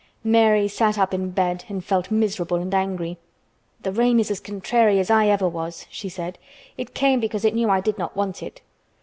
Mary sat up in bed and felt miserable and angry. "The rain is as contrary as I ever was," she said. "It came because it knew I did not want it."